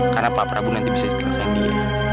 karena pak prabu nanti bisa jatuhkan dia